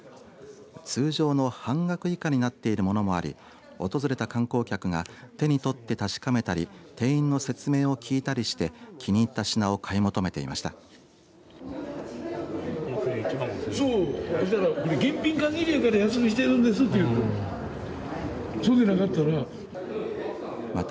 通常の半額以下になっているものもあり訪れた観光客が手に取って確かめたり店員の説明を聞いたりして気に入った品を買い求めていました。